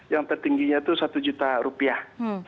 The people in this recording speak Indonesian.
yang tertingginya itu satu juta rupiah